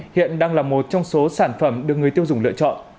hiện đang là một trong số sản phẩm được người tiêu dùng lựa chọn